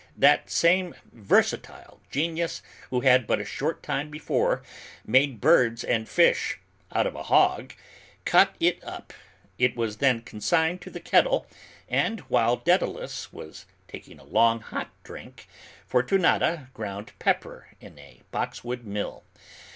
That same versatile genius who had but a short time before made birds and fish out of a hog, cut it up; it was then consigned to the kettle, and while Daedalus was taking a long hot drink, Fortunata ground pepper in a boxwood mill.